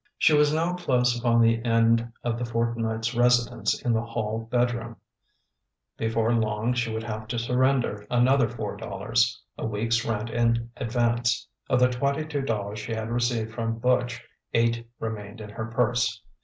She was now close upon the end of the fortnight's residence in the hall bedroom; before long she would have to surrender another four dollars a week's rent in advance. Of the twenty two dollars she had received from Butch, eight remained in her purse.